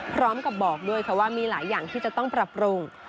พร้อมกับบอกด้วยค่ะว่ามีหลายอย่างที่จะต้องปรับปรุง